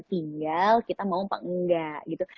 tinggal kita mau apa enggak gitu